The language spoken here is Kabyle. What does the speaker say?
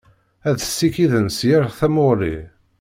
Ad t-ssikiden s yir tamuɣli.